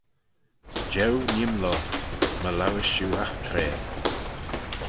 Jeu nee'm loayrt, my lowys shiu agh traa.